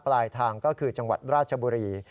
ปลายทางก็คือจังหวัดราชบุรี